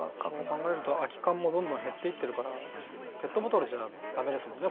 そう考えると空きカンもどんどん減っていってるからペットボトルじゃ駄目ですもんねこれ。